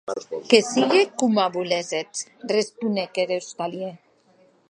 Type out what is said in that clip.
Que sigue coma voléssetz, responec er ostalièr.